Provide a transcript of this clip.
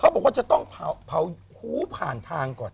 บอกว่าจะต้องเผาหูผ่านทางก่อน